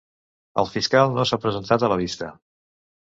El fiscal no s’ha presentat a la vista.